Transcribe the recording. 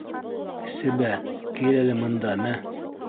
Себә, кил әле мында, мә!